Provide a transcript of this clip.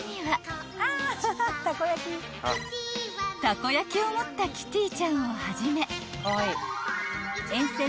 ［たこ焼きを持ったキティちゃんをはじめ］